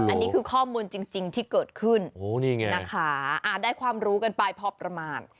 อันนี้คือข้อมูลจริงที่เกิดขึ้นนะคะได้ความรู้กันไปพอประมาณ